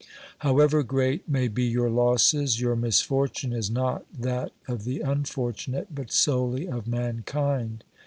However great may be your losses, your misfortune is not that of the unfor tunate, but solely of mankind.